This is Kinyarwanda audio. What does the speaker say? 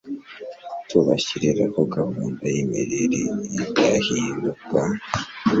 tubashyiriraho gahunda yimirire idahinduka